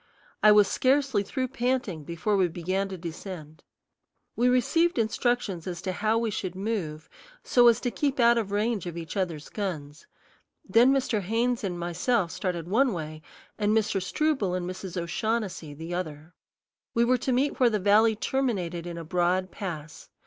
I was scarcely through panting before we began to descend. We received instructions as to how we should move so as to keep out of range of each other's guns; then Mr. Haynes and myself started one way, and Mr. Struble and Mrs. O'Shaughnessy the other. We were to meet where the valley terminated in a broad pass.